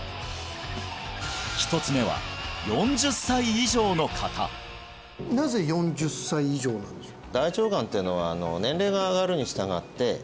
１つ目はなぜ４０歳以上なんでしょう？